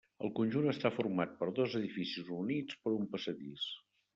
El conjunt està format per dos edificis units per un passadís.